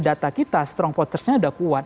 data kita strong potensinya udah kuat